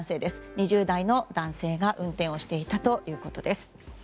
２０代の男性が運転していたということです。